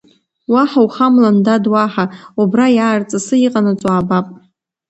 Уаҳа ухамлан, дад уаҳа, убра иаарҵысы иҟанаҵо аабап.